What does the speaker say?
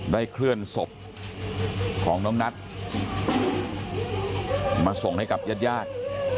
เคลื่อนศพของน้องนัทมาส่งให้กับญาติญาติ